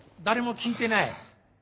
誰も聞いてない。